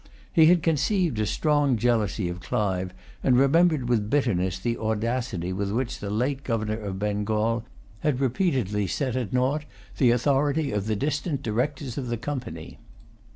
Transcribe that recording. He had conceived a strong jealousy of Clive, and remembered with bitterness the audacity with which the late governor of Bengal had repeatedly set at nought the authority of the distant Directors of the Company.